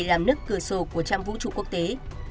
làm nứt cửa sổ của trang vũ trụ quốc tế